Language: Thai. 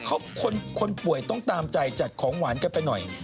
เขาคนป่วยต้องตามใจจัดของหวานกันไปหน่อย